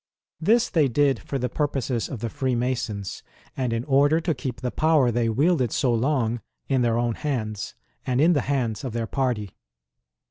This they did for the purposes of the Freemasons, and in order to keep the power they wielded so long in their own hands, and in the hands of their party.